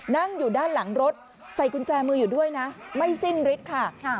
นั่งอยู่ด้านหลังรถใส่กุญแจมืออยู่ด้วยนะไม่สิ้นฤทธิ์ค่ะ